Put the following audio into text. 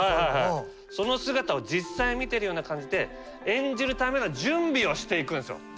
その姿を実際見てるような感じで演じるための準備をしていくんですよ。